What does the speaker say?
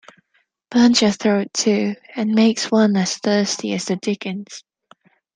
Burns your throat, too, and makes one as thirsty as the dickens.